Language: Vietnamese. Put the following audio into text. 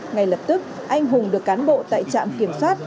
ngay lập tức anh hùng được cán bộ tại trạm kiểm soát